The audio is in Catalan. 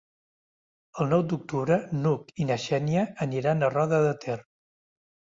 El nou d'octubre n'Hug i na Xènia aniran a Roda de Ter.